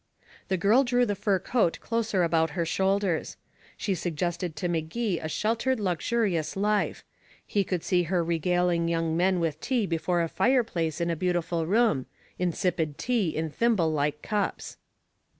The girl drew the fur coat closer about her shoulders. She suggested to Magee a sheltered luxurious life he could see her regaling young men with tea before a fireplace in a beautiful room insipid tea in thimble like cups.